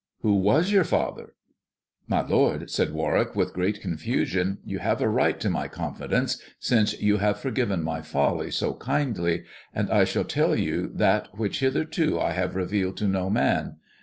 Who was your father 1 "" My lord," said Warwick, with great confusion, " you have a right to my confidence, since you have forgiven my folly so kindly, and I shall tell you that which hitherto I have revealed to no man.